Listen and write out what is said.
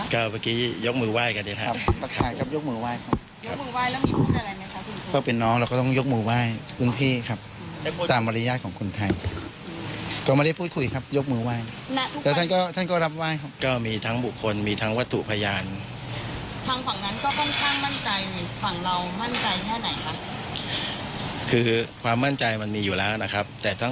ช่างเรามั่นใจแค่ไหนกับคุณนะครับ